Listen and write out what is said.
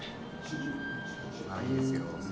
ああいいですよ。